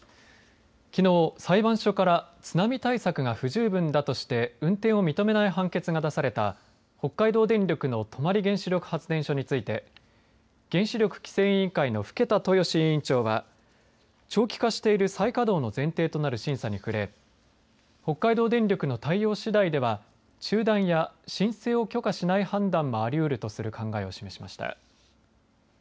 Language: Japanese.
きのう、裁判所から津波対策が不十分だとして運転を認めない判決が出された北海道電力の泊原子力発電所について原子力規制委員会の更田豊志委員長は長期化している再稼働の前提となる審査に触れ北海道電力の対応しだいでは中断や申請を許可しない判断もありうるとする考えを示しました。